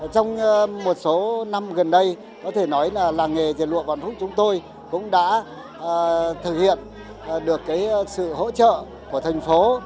trong một số năm gần đây có thể nói làng nghề truyền lụa văn phúc chúng tôi cũng đã thực hiện được sự hỗ trợ của thành phố